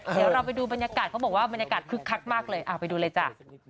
เดี๋ยวเราไปดูบรรยากาศเขาบอกว่าบรรยากาศคึกคักมากเลยไปดูเลยจ้ะ